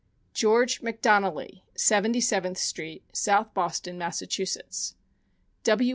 George McDonnelly, Seventy seventh street, South Boston, Mass.; W.